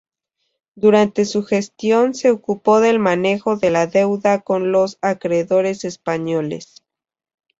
Durante su gestión se ocupó del manejo de la deuda con los acreedores españoles.